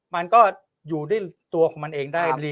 มันก็อยู่ด้วยตัวของมันเองได้ดี